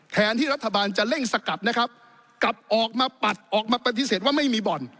แทนที่รัฐบาลจะเร่งสกัดนะครับกลับออกมาปัดออกมาปฏิเสธว่าไม่มีบ่อน